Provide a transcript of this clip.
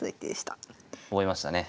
覚えましたね。